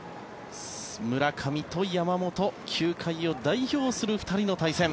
村上と山本球界を代表する２人の対戦。